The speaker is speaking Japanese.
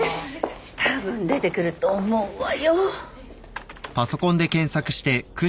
たぶん出てくると思うわよ。